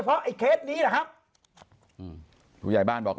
เพราะว่าผู้ใหญ่บอก